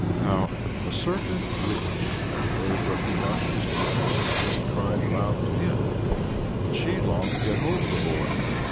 Now a certain witch had heard what Ivashko's parents had cried aloud to him, and she longed to get hold of the boy.